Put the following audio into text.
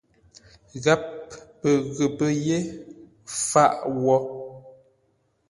Gháp pə ghəpə́ yé faʼ wó.